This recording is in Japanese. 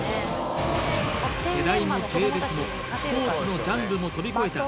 世代も性別もスポーツのジャンルも飛び越えた